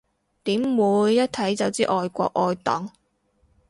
點會，一睇就知愛國愛黨